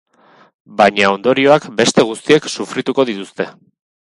Baina ondorioak beste guztiek sufrituko dituzte.